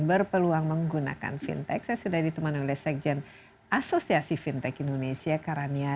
berpeluang menggunakan fintech saya sudah ditemani oleh sekjen asosiasi fintech indonesia karania